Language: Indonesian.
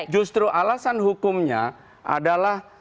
justru alasan hukumnya adalah